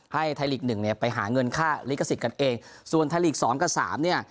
ให้ไทยลีกหนึ่งเนี่ยไปหาเงินค่าลิขสิทธิ์กันเองส่วนไทยลีกสองกับสามเนี่ย